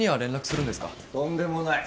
とんでもない。